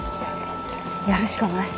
やるしかない。